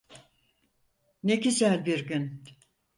Ne güzel bir gün.